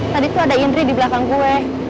tadi tuh ada indri di belakang gue